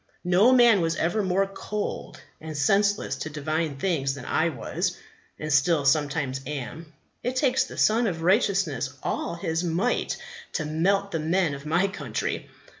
No man was ever more cold and senseless to divine things than I was, and still sometimes am. It takes the Sun of Righteousness all His might to melt the men of my country.